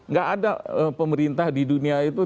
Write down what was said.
nggak ada pemerintah di dunia itu